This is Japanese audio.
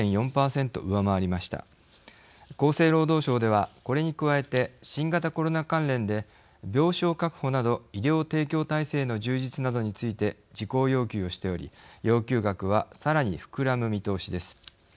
厚生労働省ではこれに加えて新型コロナ関連で病床確保など医療提供体制への充実などについて事項要求をしており要求額はさらに膨らむ見通しです。